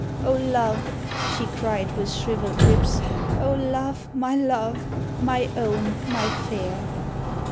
"O love!" she cried with shriveled lips, "O love, my love, my own, my fair!